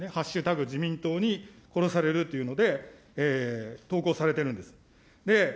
自民党に殺されるというので、投稿されてるんです。